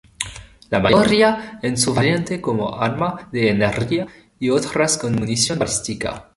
La mayoría en su variante como arma de energía y otras con munición balística.